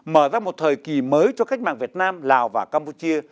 mở ra một thời kỳ mới cho cách mạng việt nam lào và campuchia